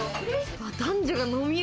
男女が飲みを。